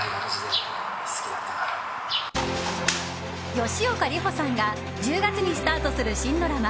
吉岡里帆さんが１０月にスタートする新ドラマ